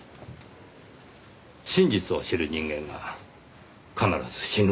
真実を知る人間が必ず死ぬからです。